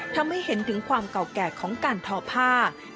ทำให้เห็นถึงความเก่าแก่ของการทอผ้า